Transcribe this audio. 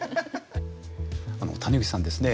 谷口さんですね